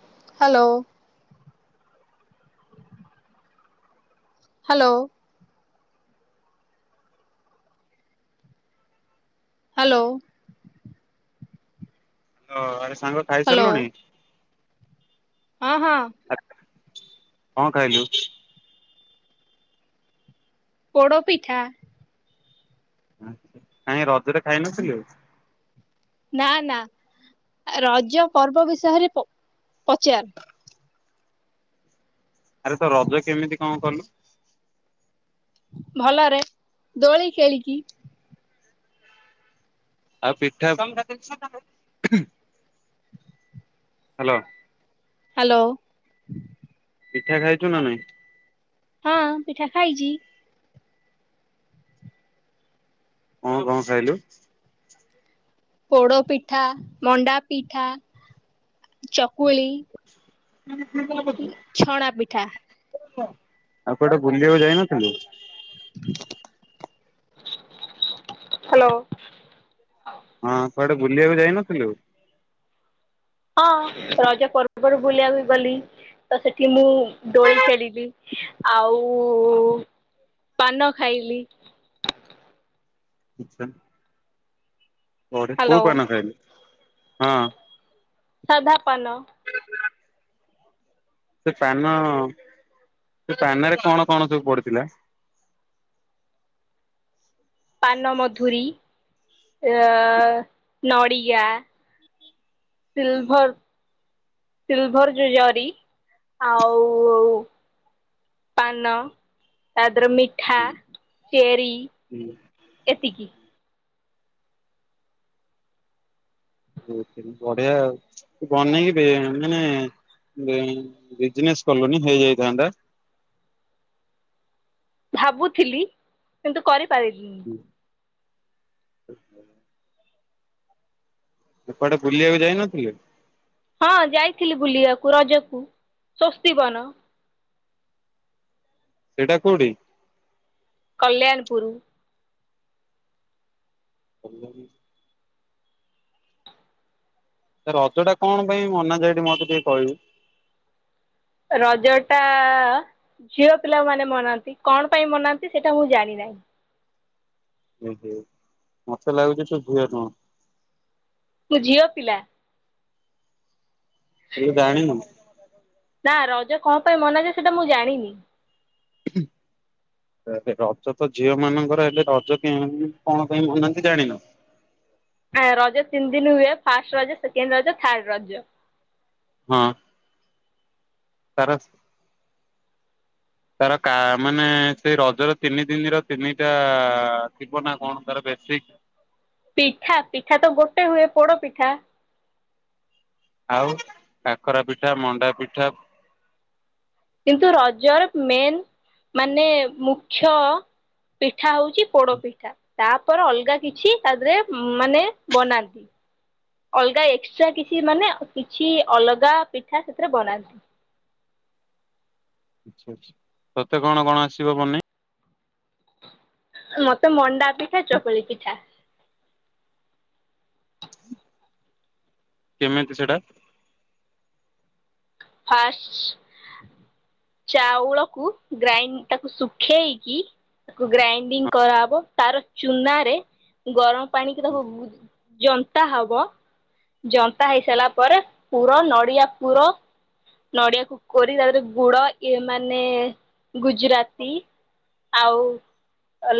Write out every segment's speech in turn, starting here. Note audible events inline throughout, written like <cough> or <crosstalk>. ହ hello. Hello. Hello. Hello. Hello ଆରେ ସାଙ୍ଗ ଖାଇସାରଲୁଣି? ଅଁ ହଁ। ଆ କଁ ଖାଇଲୁ? ପୋଡ଼ପିଠା। ଆଚ୍ଛା କାଇଁ ରଜରେ ଖାଇନଥିଲୁ? ନାଁ ନାଁ ରଜ ପର୍ବ ବିଷୟରେ ପ ପଚାର। ଆରେ ତ ରଜ କେମିତି କଁ କଲୁ? ଭଲରେ ଦୋଳି ଖେଳିକି। ଆଉ ପିଠା ହାଲୋ। ହାଲୋ। ପିଠା ଖାଇଚୁ ନା ନାଇଁ? ହଁ ପିଠା ଖାଇଚି। କଁ କଁ ଖାଇଲୁ? ପୋଡ଼ପିଠା ମଣ୍ଡାପିଠା ଚକୁଳି। ଛଣା ପିଠା ଆଉ କୁଆଡ଼େ ବୁଲିବାକୁ ଯାଇନଥିଲୁ? ହାଲୋ। ହଁ କୁଆଡ଼େ ବୁଲିବାକୁ ଯାଇନଥିଲୁ? ହଁ ରଜ ପର୍ବରୁ ବୁଲିବାକୁ ଗଲି। ତ ସେଠି ମୁଁ ଦୋଳି ଖେଳିବି ଆଉ ପାନ ଖାଇଲି। ଇଛା କୋଉଠି କୋଉ ହ୍ୟାଲୋ ପାନ ଖାଇଲୁ? ହଁ। ସାଧା ପାନ। ସେ ପାନ ସେ ପାନେରେ କଣ କଣ ସବୁ ପଡ଼ିଥିଲା? ପାନମଧୁରୀ ନଡ଼ିଆ। ସିଲଭର ସିଲଭର ଯୋଉଁ ଜରୀ ଆଉ ପାନ ତା ଦେହରେ ମିଠା ଚେରି ଏତିକି। ବଢିଆ ଆ ବନେଇବେ ମାନେ ବିଜିନେସ୍ କଲନି ହେଇଯାଇଥାନ୍ତା। ଭାବୁଥିଲି କିନ୍ତୁ କରିପାରିଲିନି। ଏପଟେ ବୁଲିବାକୁ ଯାଇନଥିଲେ। ହଁ ଯାଇଥିଲି ବୁଲିବାକୁ ରଜକୁ ସ୍ଵସ୍ତି ବନ। ସେଇଟା କୋଉଠି? କଲ୍ୟାଣପୁର। <unintelligible> ରଜ ଟା କଣ ପାଇଁ ମନା ଯାଏମତେ ଟିକେ କହିବେ ରଜଟା ଝିଅ ପିଲାମାନେ ମନାନ୍ତି କଣ ପାଇଁ ମନାନ୍ତି ସେଇଟା ମୁଁ ଜାଣିନାହିଁ। ଏ ହୋ ମତେ ଲାଗୁଚି ତୁ ଭୁହେ ଟଙ୍କା। ମୁଁ ଝିଅ ପିଲା। ହେଲେ ଜାଣିନୁ। ନା ରଜ କଣ ପାଇଁ ମନାଯାଏ ସେଟା ମୁଁ ଜାଣିନି। ହ <unintelligible> ରଜ ତ ଝିଅ ମାନଙ୍କର ହେଲେ ରଜ କେମିତି କଣ ପାଇଁ ମନାନ୍ତି ଜାଣିନ। ଆ ରଜ ତିନି ଦିନ ହୁଏ first Raja second Raja third Raja. ହଁ। ସାରସ। ତାର କା ମାନେ ସେଇ ରଜର ତିନି ଦିନର ତିନିଟା ଥିବ ନା କଣ ତାର ବେଶିକ୍। ପିଠା ପିଠା ତ ଗୋଟେ ହୁଏ ପୋଡ ପିଠା। ଆଉ କାକରା ପିଠା ମଣ୍ଡା ପିଠା। କିନ୍ତୁ ରଜରେ ମେନ୍ ମାନେ ମୁଖ୍ୟ ପିଠା ହଉଛି ପୋଡ଼ ପିଠା। ତାପରେ ଅଲଗା କିଛି ତା ଦେହରେ ମାନେ ବନାନ୍ତି। ଅଲଗା ଏକ୍ସଟ୍ରା କିଛି ମାନେ କିଛି ଅଲଗା ପିଠା ସେଥିରେ ବନାନ୍ତି। ଆଛା ଆଛା ତତେ କଣ କଣ ଆସିବ ବନେଇ? ମତେ ମଣ୍ଡା ପିଠା ଚକୁଳି ପିଠା। କେମିତି ସେଇଟା। ଫାଷ୍ଟ। ଚାଉଳକୁ ଗ୍ରାଇଣ୍ଡ ତାକୁ ଶୁଖେଇକି ତାକୁ ଗ୍ରାଇଣ୍ଡିଙ୍ଗ କରାହେବ ତାର ଚୁନ ାରେ ଗରମ ପାଣି କି ତାକୁ ଜନ୍ତା ହବ ଜନ୍ତା ହେଇସାରିଲା ପରେ ପୁର ନଡିଆ ପୁର ନଡିଆକୁ କୋରି ତାପରେ ଗୁଡ ଏ ମାନେ ଗୁଜୁରାତି ଆଉ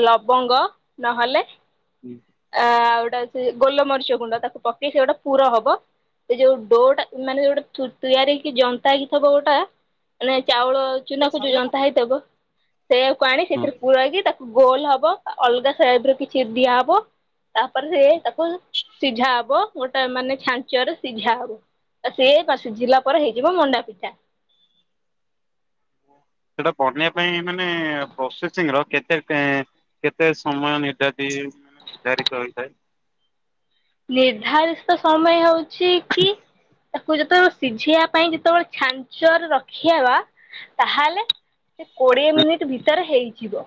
ଲବଙ୍ଗ ନହେଲେ ସେଟା? ଆ ଗୋଟା ସେ ଗୋଲମରିଚ ଗୁଣ୍ଡ ତାକୁ ପକେଇ ସେଗୋଟା ପୁର ହବ ସେ ଯୋଉ ଡୋ ଟା ମାନେ ଗୋଟେ ତିଆରି ହେ କି ଜନ୍ତା ହେଇକିଥିବ ଗୋଟା ମାନେ ଚାଉଳ ଚୁନାକୁ ଯୋଉ ଯନ୍ତା ହେଇଥିବ ସେଇଆକୁ ଆଣି ସେଥିରେ ପୁର ହେଇକି ତାକୁ ଗୋଲ ହବ ଅଲଗା ସାଇଡରେ କିଛି ଦିଆହବ। ତାପରେ ସେ ତାକୁ ସିଝା ହବ ଗୋଟେ ମାନେ ଛାଞ୍ଚରେ ସିଝା ହବ। ଆଉ ସେ ସୁୁଝିଲା ପରେ ହେଇଯିବ ମଣ୍ଡା ପିଠା। ସେଟା ବନେଇ ପାଇଁ ମାନେ-ଏ ପ୍ରୋସେସିଂ ର କେତ୍ କେତେଁ କେତେ ସମୟ ନିର୍ଯାତି ର୍ଦ୍ଧାରିତ ହୋଇଥାଏ? ନିର୍ଦ୍ଧାଲତ୍ ସମୟ ହଉଛି କି <inaudible> କୁ ଯେତେବେ ସିଝେଇବା ପାଇଁ ଯେତେବେଳେ ଛାଞ୍ଚରେ ରଖିଆବା ତାହେଲେ ସେ କୋଡିଏ ମିନିଟ୍ ଭିତରେ ହେଇଯିବ।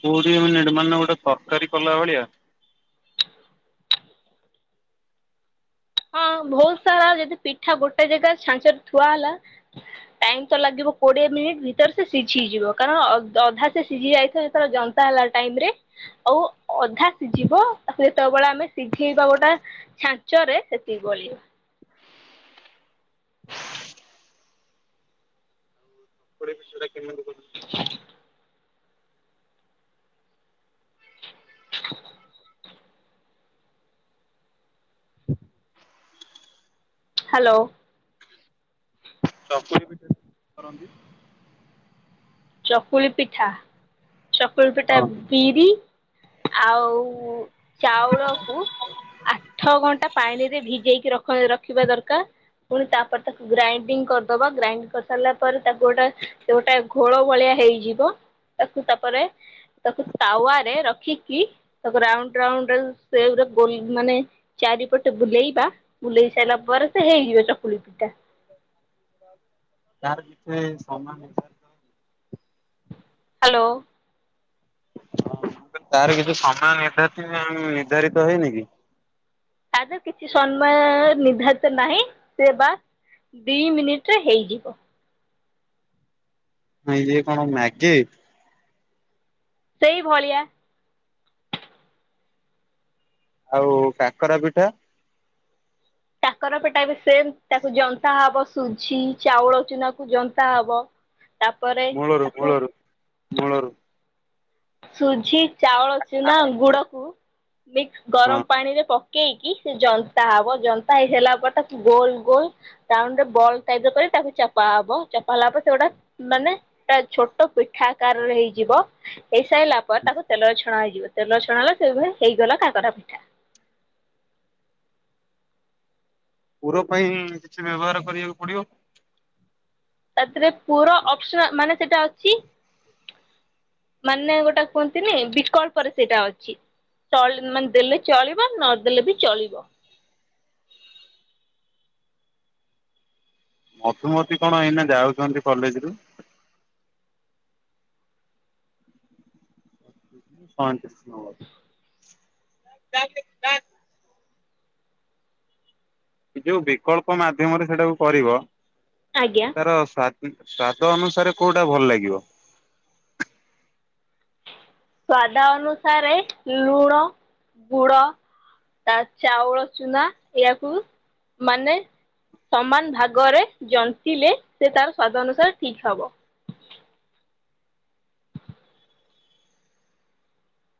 କୋଡିଏ ମିନିଟ୍ ମାନେ ଗୋଟେ ତରକାରୀ କଲା ଭଳିଆ! ହଁ, ବହୁତ୍ ସାରା ଯଦି ପିଠା ଗୋଟେ ଜେଗା ଛାଞ୍ଚରେ ଥୁଆ ହେଲା ଟାଇମ୍ ତ ଲାଗିବ କୋଡିଏ ମିନିଟ୍ ଭିତରେ ସେ ସିଝିଯିବ। କାରଣ ଅଧ୍-ଅଧା ସେ ସିଝି ଯାଇଥି ଯେତେଳେ ଯନ୍ତ ନ୍ତା ହେଲା ଟାଇମ୍ ରେ ଆଉ ଅଧା ସିଝିବ। ତାକୁ ଯେତେବେଳେ ଆମେ ସିଝେଇବା ଗୋଟା ଛାଞ୍ଚରେ ସେତିକି ବଳିବ। <unintelligible> କିଣଲୁ। ହ ହ୍ୟାଲୋ। <unintelligible> କରନ୍ତି। ଚକୁଳି ପିଠା! ଚକୁଳି ପିଠା ହଁ ବିରି ଆଉ-ଉ ଚାଉଳକୁ ଆଠ ଘଣ୍ଟା ପାଣି ରେ ଭିଜେଇକି ରଖଁ ରଖିବା ଦରକାର। ପୁଣି ତାପରେ ତାକୁ ଗ୍ରାଇଣ୍ଡିଙ୍ଗ୍ କରିଦବା। ଗ୍ରାଇଂଡ୍ କରି ସାରିଲା ପରେ, ତାକୁ ଗୋଟା ସେ ଗୋଟେ ଘୋଳ ଭଳିଆ ହେଇଯିବ। ତାକୁ ତା'ପରେ ତାକୁ ତାୱାରେ ରଖିକି ତାକୁ ରାଉଣ୍ଡ ରାଉଣ୍ଡ ର ସେଭ୍ ରେ ଗୋଲ୍ ମାନେ ଚାରିପଟେ ବୁଲେଇବା। ବୁଲେଇ ସାଇଲା ପରେ ସେ ହେଇଯିବ ଚକୁଳି ପିଠା। ତାର ଭିତରେ ସମାନ ହେଇ <unintelligible> ହ୍ୟାଲୋ। ହଁ, ତାର କିଛି ସମୟ ନିଦ୍ଧାତି-ଇଁ ନିର୍ଦ୍ଧାରିତ ହେଇନି କି? ତା ଧେରେ କିଛି ସମୟ ନିଧାରିତ ନାହିଁ, ସିଏ ବା ଦି ମିନିଟ୍ ରେ ହେଇଯିବ। ଅଁ ଇଏ କଣ ମ୍ୟାଗି! ସେଇ ଭଳିଆ। ଆଉ କାକରା ପିଠା କାକରା ପିଟା ବି ସେମ୍, ତାକୁ ଜନ୍ତା ହବ ସୁଝି ଚାଉଳ ଚୁନାକୁ ଜନ୍ତା ହବ। ତାପରେ ମୂଳରୁ ତାକୁ ମୂଳରୁ ମୂଳରୁ ସୁଝି, ଚାଉଳ ଚୁନା, ଗୁଡକୁ ମିକ୍ସ ହଁ ଗରମ ପାଣିରେ ପକ୍ କେଇକି ସେ ଜନ୍ତା ହବ। ଜନ୍ତା ହେଇସାଇଲା ପରେ ତାକୁ ଗୋଲ୍ ଗୋଲ୍ ରାଉଣ୍ଡ ରେ ବଲ୍ ଟାଇପ୍ ର କରି ତାକୁ ଚପା ହବ। ଚପା ହେଲା ପରେ ସେଗୋଟା ମାନେ ତା ଛୋଟ ପିଠା ଆକାରରେ ହେଇଯିବ। ହେଇସାଇଲା ପରେ ତାକୁ ତେଲରେ ଛଣା ହେଇଯିବ। ତେଲରେ ଛଣା ହେଲେ ସେ ଭାଇ ହେଇଗଲା କାକରା ପିଠା। ପୁର ପାଇଁ କିଛି ବ୍ୟବହାର କରିଆକୁ ପଡିବ। ତାଥିରେ ପୁର ଅପ୍ ସନା ମାନେ ସେଟା ଅଛି। ମାନେ ଗୋଟେ କୁହନ୍ତି ନି ବିକଳ୍ପରେ ସେଇଟା ଅଛି। ଚଳ୍ ମାନେ ଦେଲେ ଚଳିବ, ନଦେଲେ ବି ଚଳିବ। ମଧୁମତି କଣ ଏଇନା ଯାଉଚନ୍ତି କଲେଜ ରୁ? <unintelligible> ଯୋଉ ବିକଳ୍ପ ମାଧ୍ୟମରେ ସେଇଟାକୁ କରିବ। ଆଜ୍ଞା। ତାର ସ୍ୱା ସ୍ଵାଦ ଅନୁସାରେ କୋଉଟା ଭଲ ଲାଗିବ? ସ୍ଵାଦ ଅନୁସାରେ ଲୁଣ ଗୁଡ ତା ଚାଉଳ ଚୁନା ଏହାକୁ ମାନେ ସମାନ ଭାଗରେ ଜନ୍ତିଲେ ସେ ତାର ସ୍ୱାଦ ଅନୁସାରେ ଠିକ୍ ହବ।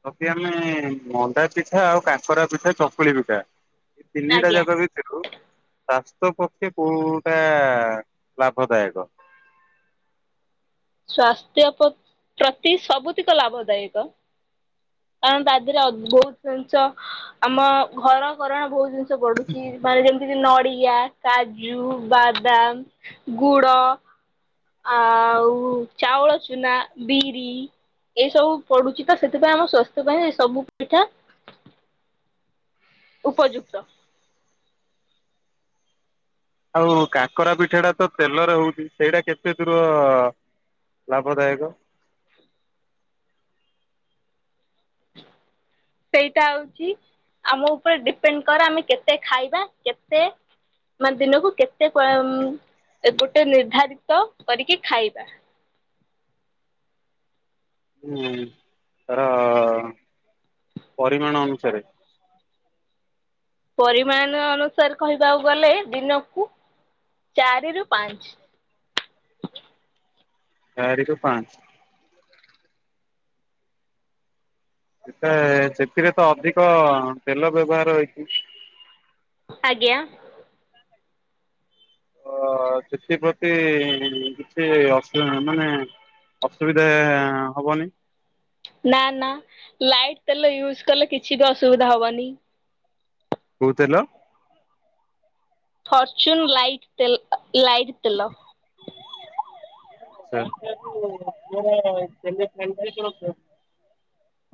ଯଦି ଆମେ ମଣ୍ଡା ପିଠା ଆଉ କାକରା ପିଠା ଚକୁଳି ପିଠା ଏଇ ତିନିଟା ଆଜ୍ଞା ଯାକ ବି ସ୍ୱାସ୍ଥ୍ୟ ପକ୍ଷେ କୋଉଟା ଲାଭଦାୟକ? ସ୍ଵାସ୍ଥ୍ୟ ପ୍ରତି ସବୁତିକ ଲାଭଦାୟକ। କାରଣ ତା ଦେହରେ ଅ ବହୁତ ଜିନିଷ ଆମ ଘର କରଣା ବହୁତ ଜିନିଷ ଷ ପଡୁଚି ମାନେ ଯେମିତି ନଡ଼ିଆ କାଜୁ ବାଦାମ ଗୁଡ ଆଉ ଚାଉଳ ଚୁନା ବିରି ଏଇ ସବୁ ପଡୁଛି ତ ସେଥିପାଇଁ ଆମ ସ୍ୱାସ୍ଥ୍ୟ ପାଇଁ ସବୁ ପିଠା ଉପଯୁକ୍ତ। ଆଉ କାକରା ପିଠା ଟା ତ ତେଲରେ ହଉଚି ସେଇଟା କେତେ ଦୂର ଲାଭଦାୟକ। ସେଇଟା ହଉଚି ଆମ ଉପରେ ଡିପେଣ୍ଡ କରେ ଆମେ କେତେ ଖାଇବା କେତେ ମାନେ ଦିନକୁ କେତେ କ୍ଵାମ ଗୋଟେ ନିର୍ଦ୍ଧାରିତ କରିକି ଖାଇବା। ହୁଁ ତାର ପରିମାଣ ଅନୁସାରେ ପରିମାଣ ଅନୁସାରେ କହିବାକୁ ଗଲେ ଦିନକୁ ଚାରି ରୁ ପାଞ୍ଚେ। ଚାରିକୁ ପାଞ୍ଚେ। ଏଟା ସେଥିରେ ତ ଅଧିକ ତେଲ ବ୍ୟବହାର ହେଇଚି। ଆଜ୍ଞା। ଅ ସେଥିପ୍ରତି କିଛି ଅସୁବି ମାନେ ଅସୁବିଧା ହବନି। ନା ନା ଲାଇଟ୍ ତେଲ ୟୁଜ କଲେ କିଛି ବି ଅସୁବିଧା ହବନି। କୋଉ ତେଲ? ଫର୍ଚୁନ୍ ଲାଇଟ୍ ତେଲ ଲାଇଟ୍ ତେଲ। <unintelligible>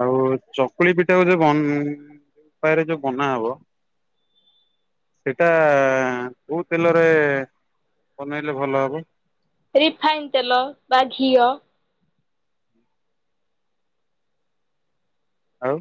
ଆଉ ଚକୁଳି ପିଠା କୁ ଯୋଉ ବନ ଉପାୟରେ ଯୋଉ ବନା ହବ ସେଇଟା କୋଉ ତେଲରେ ବନେଇଲେ ଭଲ ହବ? ରିଫାଇନ୍ ତେଲ ବା ଘିଅ। ଆଉ